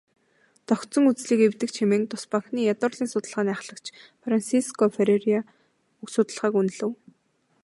"Тогтсон үзлийг эвдэгч" хэмээн тус банкны ядуурлын судалгааны ахлагч Франсиско Ферреира уг судалгааг үнэлэв.